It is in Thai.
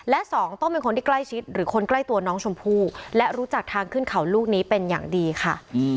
และสองต้องเป็นคนที่ใกล้ชิดหรือคนใกล้ตัวน้องชมพู่และรู้จักทางขึ้นเขาลูกนี้เป็นอย่างดีค่ะ